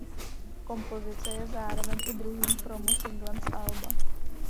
Kompozice je zároveň i druhým promo singlem z alba.